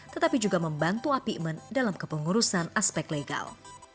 tetapi juga membantu apikmen dalam kepengurusan aspek legal